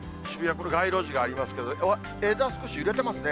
これ、街路樹がありますけど、枝、少し揺れてますね。